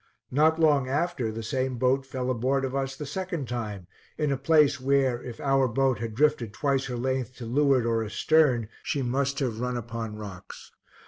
Not long after, the same boat fell aboard of us the second time, in a place where, if our boat had drifted twice her length to leeward or astern, she must have run upon rocks.